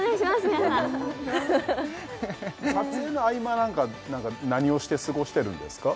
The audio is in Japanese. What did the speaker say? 皆さん撮影の合間なんかは何をして過ごしてるんですか？